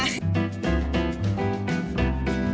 สวัสดีค่ะ